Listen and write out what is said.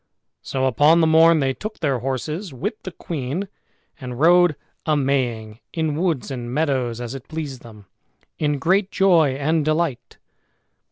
So upon the morn they took their horses with the queen, and rode a maying in woods and meadows, as it pleased them, in great joy and delight.